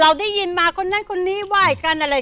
เราได้ยินมาคนนั้นคนนี้ไหว้กันอะไร